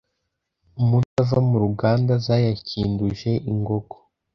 Umunsi ava mu ruganda Zayakinduje ingogo